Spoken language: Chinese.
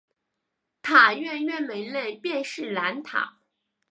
塔院院门内便是南塔。